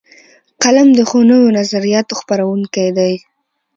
قلم د ښو نویو نظریاتو خپروونکی دی